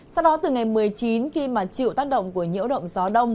sau đó từ ngày một mươi chín khi mà chịu tác động của nhiễu động gió đông